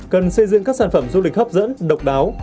cần xây dựng các sản phẩm du lịch hấp dẫn độc đáo